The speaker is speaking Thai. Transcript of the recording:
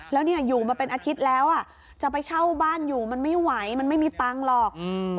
แล้วเนี่ยอยู่มาเป็นอาทิตย์แล้วอ่ะจะไปเช่าบ้านอยู่มันไม่ไหวมันไม่มีตังค์หรอก